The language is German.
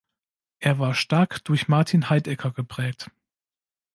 Er war stark durch Martin Heidegger geprägt.